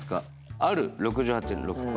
「ある」６８．６％。